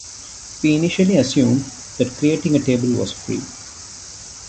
We initially assumed that creating a table was free.